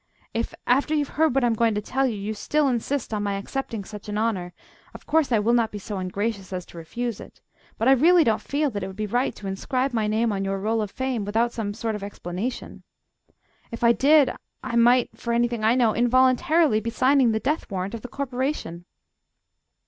If, after you've heard what I am going to tell you, you still insist on my accepting such an honour, of course I will not be so ungracious as to refuse it. But I really don't feel that it would be right to inscribe my name on your Roll of Fame without some sort of explanation. If I did, I might, for anything I know, involuntarily be signing the death warrant of the Corporation!"